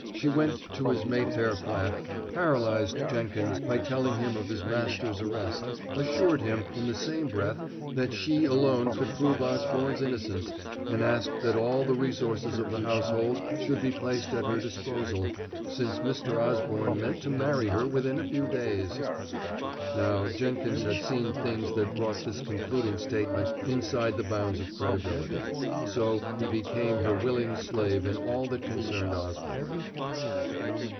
She went to his Mayfair flat, paralyzed Jenkins by telling him of his master's arrest, assured him, in the same breath, that she alone could prove Osborne's innocence, and asked that all the resources of the household should be placed at her disposal, since Mr. Osborne meant to marry her within a few days. Now, Jenkins had seen things that brought this concluding statement inside the bounds of credibility, so he became her willing slave in all that concerned Osborne.